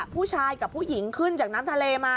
ผู้ชายกับผู้หญิงขึ้นจากน้ำทะเลมา